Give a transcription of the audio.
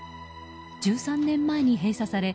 １３年前に閉鎖され